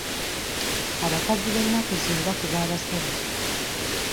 Abakazi b'ennaku zino bakuba abasajja.